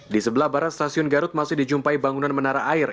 di sebelah barat stasiun garut masih dijumpai bangunan menara air